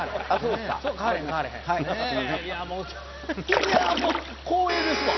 いやあもう光栄ですわ。